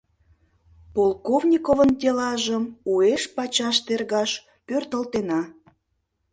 — Полковниковын делажым уэш-пачаш тергаш пӧртылтена.